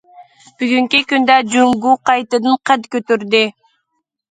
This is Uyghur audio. بۈگۈنكى كۈندە جۇڭگو قايتىدىن قەد كۆتۈردى.